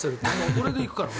これで行くから、俺。